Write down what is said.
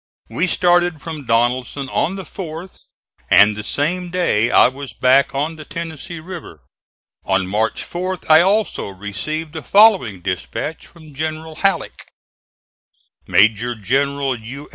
We started from Donelson on the 4th, and the same day I was back on the Tennessee River. On March 4th I also received the following dispatch from General Halleck: MAJ. GEN. U.